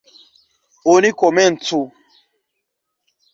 Oni komencu!